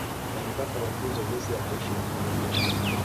Walipata mafunzo jinsi ya kuishi na familia